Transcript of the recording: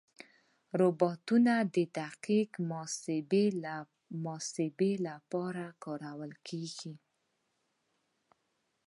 روبوټونه د دقیق محاسبې لپاره کارېږي.